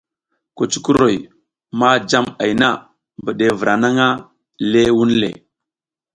Kucukuroy ma jam ay na, mbiɗevra naƞʼha ləh wunle.